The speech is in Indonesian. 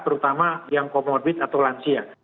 terutama yang comorbid atau lansia